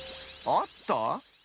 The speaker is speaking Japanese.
あった？